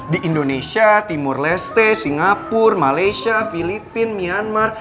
di indonesia timur leste singapura malaysia filipina myanmar